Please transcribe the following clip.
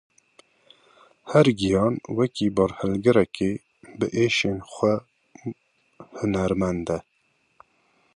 Her giyan, wekî barhilgirekê bi êşên xwe hunermend e.